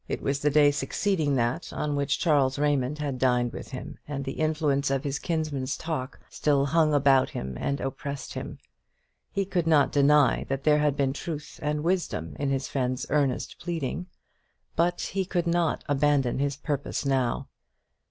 It was the day succeeding that on which Charles Raymond had dined with him, and the influence of his kinsman's talk still hung about him and oppressed him. He could not deny that there had been truth and wisdom in his friend's earnest pleading; but he could not abandon his purpose now.